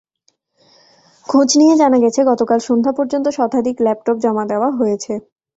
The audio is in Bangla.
খোঁজ নিয়ে জানা গেছে, গতকাল সন্ধ্যা পর্যন্ত শতাধিক ল্যাপটপ জমা দেওয়া হয়েছে।